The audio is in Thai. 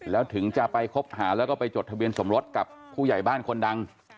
แล้วถึงจะไปคบหาแล้วก็ไปจดทะเบียนสมรสกับผู้ใหญ่บ้านคนดัง